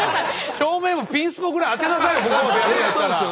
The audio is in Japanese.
照明もピンスポぐらい当てなさいよ！